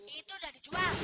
itu udah dijual